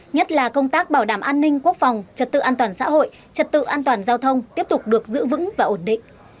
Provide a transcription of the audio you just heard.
nhất là công tác bảo đảm an ninh quốc phòng trật tự an toàn xã hội trật tự an toàn giao thông tiếp tục được giữ vững và ổn định